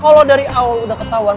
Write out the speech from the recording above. kalo dari awal udah ketauan